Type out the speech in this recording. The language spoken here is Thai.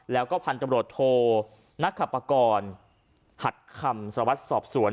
แล้วก็พันธบรวจโทนักขปกรณ์หัดคำสวัสดิสอบสวน